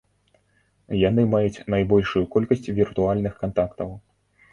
Яны маюць найбольшую колькасць віртуальных кантактаў.